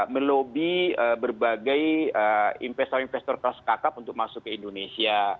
melobi berbagai investor investor kelas kakap untuk masuk ke indonesia